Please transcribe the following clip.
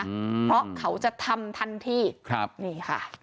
เพราะเขาจะทำทันทีนี่ค่ะ